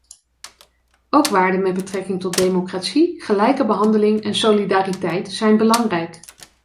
Ook waarden met betrekking tot democratie, gelijke behandeling en solidariteit zijn belangrijk.